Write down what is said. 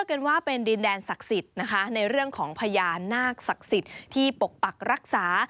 รามาคศักดิ์สิทธิ์ที่ปกปักรักษา